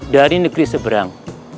dari negeri seberang